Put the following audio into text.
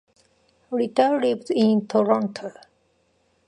Richter lives in Toronto.